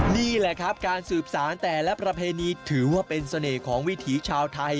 นี่แหละครับการสืบสารแต่ละประเพณีถือว่าเป็นเสน่ห์ของวิถีชาวไทย